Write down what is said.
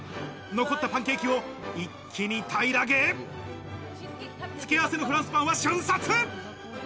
残ったパンケーキを一気に平らげ、つけあわせのフランスパンは瞬殺。